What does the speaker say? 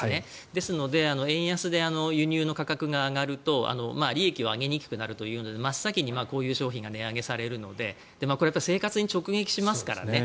ですので円安で輸入の価格が上がると利益を上げにくくなるというので真っ先にこういう商品が値上げされるのでこれは生活に直撃しますからね。